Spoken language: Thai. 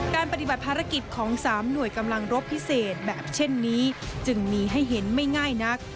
ปฏิบัติภารกิจของ๓หน่วยกำลังรบพิเศษแบบเช่นนี้จึงมีให้เห็นไม่ง่ายนัก